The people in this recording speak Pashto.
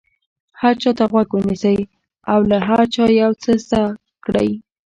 هر چا ته غوږ ونیسئ او له هر چا یو څه زده کړئ.